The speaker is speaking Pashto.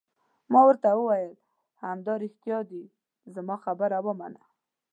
ما ورته وویل: همدارښتیا دي، زما خبره ومنه.